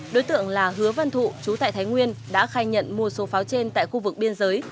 đối tượng là hứa văn thụ chú tại thái nguyên đã khai nhận mua số pháo trên tại khu vực biên giới